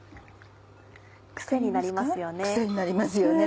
クセになりますよね。